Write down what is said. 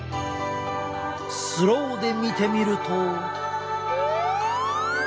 スローで見てみると。